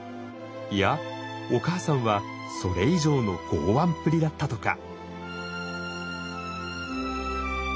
いやお母さんはそれ以上の豪腕っぷりだったとか。